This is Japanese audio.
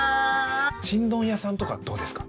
ちんどん屋さんとかどうですか？